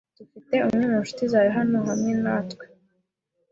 Dufite umwe mu nshuti zawe hano hamwe natwe.